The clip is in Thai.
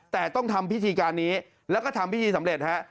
แต่ต้องทำพิธีการนี้แล้วก็ทำพิธีสำเร็จฮะ